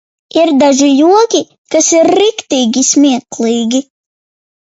Ir daži joki, kas ir riktīgi smieklīgi.